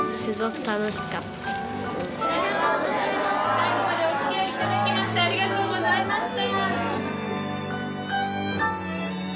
最後までおつきあい頂きましてありがとうございました。